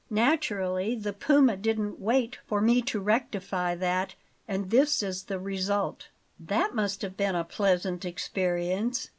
Naturally the puma didn't wait for me to rectify that; and this is the result." "That must have been a pleasant experience."